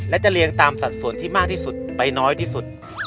และจะเรียงตามสัดส่วนที่มากที่สุดไปน้อยที่สุด